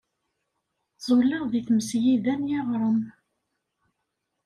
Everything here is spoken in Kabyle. Ẓẓulleɣ deg tmesgida n yiɣrem.